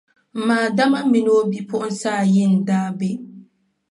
M ma Adama mini o bipuɣinsi ayi n-daa be.